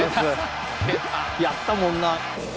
やったもんな。